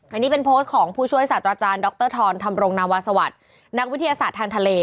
อันนี้เป็นโพสต์ของผู้ช่วยศาสตราจารย์ดรธรธรรมรงนาวาสวัสดิ์นักวิทยาศาสตร์ทางทะเล